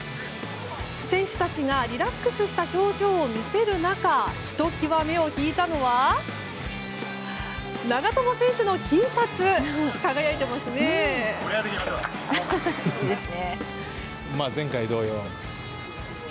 選手たちがリラックスした表情を見せる中ひときわ目を引いたのは長友選手の金髪、輝いてます。